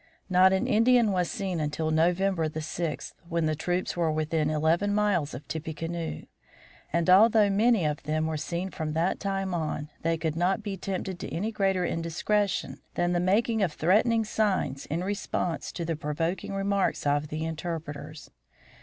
Not an Indian was seen until November the sixth, when the troops were within eleven miles of Tippecanoe. And although many of them were seen from that time on, they could not be tempted to any greater indiscretion than the making of threatening signs in response to the provoking remarks of the interpreters.